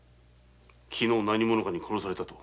昨日何者かに殺されたと。